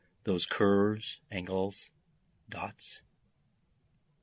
those curves, angles, dots?